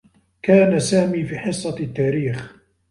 كان سامي في حصّة التّاريخ.